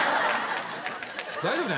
大丈夫ね？